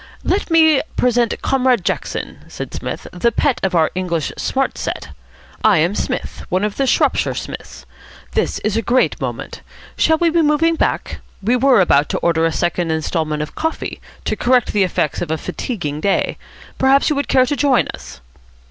"Let me present Comrade Jackson," said Psmith, "the pet of our English Smart Set. I am Psmith, one of the Shropshire Psmiths. This is a great moment. Shall we be moving back? We were about to order a second instalment of coffee, to correct the effects of a fatiguing day. Perhaps you would care to join us?"